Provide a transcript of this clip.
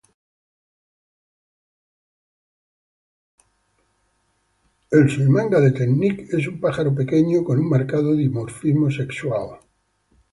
El suimanga de Temminck es un pájaro pequeño con un marcado dimorfismo sexual.